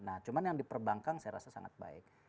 nah cuma yang diperbangkang saya rasa sangat baik